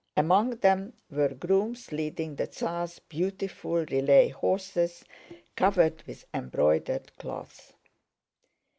Among them were grooms leading the Tsar's beautiful relay horses covered with embroidered cloths.